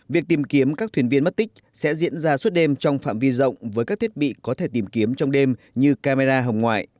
việc tìm kiếm các thuyền viên mất tích sẽ diễn ra suốt đêm trong phạm vi rộng với các thiết bị có thể tìm kiếm trong đêm như camera hồng ngoại